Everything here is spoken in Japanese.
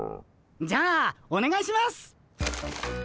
じゃあおねがいしますっ！